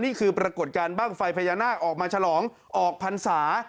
นี่คือปรากฏการณ์บ้างไฟพญานาคออกมาฉลองออกพรรษา